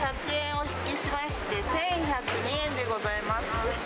お引きしまして、１１０２円でございます。